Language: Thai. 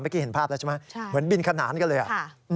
เห็นภาพแล้วใช่ไหมเหมือนบินขนานกันเลย